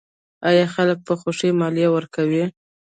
آیا خلک په خوښۍ مالیه ورکوي؟